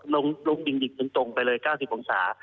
ลงกิ่งดิบจนตรงไปเลย๙๐องศา